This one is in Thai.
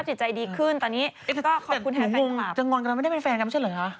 แต่หนูงจะงอนกันแล้วไม่ได้เป็นแฟนกันไม่ใช่เหรอคะ